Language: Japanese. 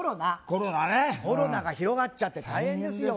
コロナねコロナが広がっちゃって大変ですよ